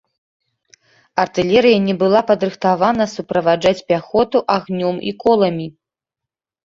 Артылерыя не была падрыхтавана суправаджаць пяхоту агнём і коламі.